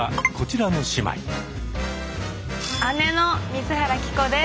姉の水原希子です。